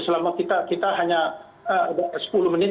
selama kita hanya sepuluh menit